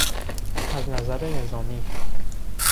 از نظر نظامی